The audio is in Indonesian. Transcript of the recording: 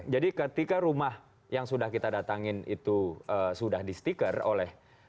jadi ketika rumah yang sudah kita datangin itu sudah di stiker oleh